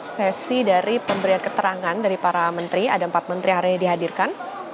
sesi dari pemberian keterangan dari para menteri ada empat menteri yang hari ini dihadirkan